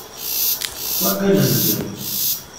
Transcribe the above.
What good does it do?